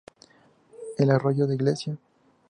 El camino discurre paralelo al Arroyo Iglesia.